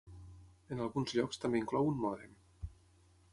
En alguns llocs també inclou un mòdem.